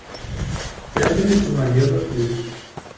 Pedras de Maria da Cruz